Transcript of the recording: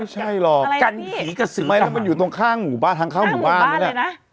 ฮะอะไรนะพี่ไม่แล้วมันอยู่ตรงข้างหมู่บ้านทางข้างหมู่บ้านเลยนะ